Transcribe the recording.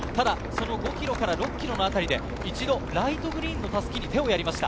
５ｋｍから６ｋｍのあたりで一度、ライトグリーンの襷に手をやりました。